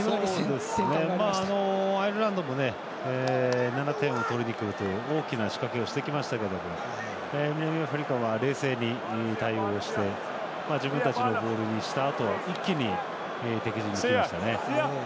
アイルランドも７点を取りにくるという大きな仕掛けをしてきましたが南アフリカは冷静に対応して自分たちのボールにしたあと一気に敵陣にいきましたね。